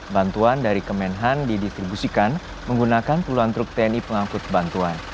bantuan dari kemenhan didistribusikan menggunakan puluhan truk tni pengangkut bantuan